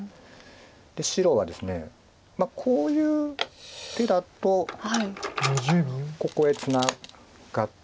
白はですねこういう手だとここへツナがって。